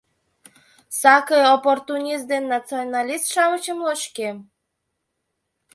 Сакый оппортунист ден националист-шамычым лочкем.